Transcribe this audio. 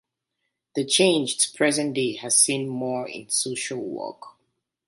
The change to present day has seen more in social work.